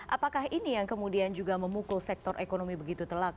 apakah ini yang kemudian juga memukul sektor ekonomi begitu telak